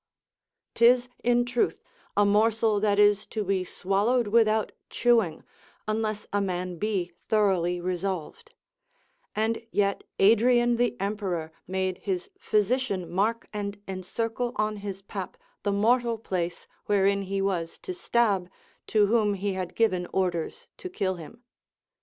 'Tis, in truth, a morsel that is to be swallowed without chewing, unless a man be thoroughly resolved; and yet Adrian the emperor made his physician mark and encircle on his pap the mortal place wherein he was to stab to whom he had given orders to kill him.